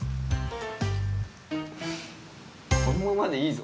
このままでいいぞ。